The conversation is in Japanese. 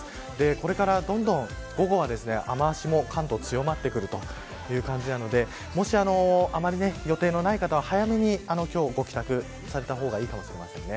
これからどんどん午後は雨脚も関東は強まってくるという感じなのであまり予定のない方は早めに今日はご帰宅された方がいいかもしれません。